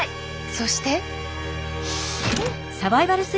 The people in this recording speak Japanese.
そして。